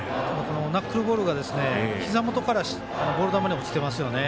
ナックルボールがひざ元から、落ちてますよね。